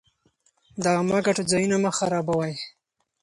د عامه ګټو ځایونه مه خرابوئ.